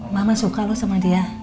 mama suka loh sama dia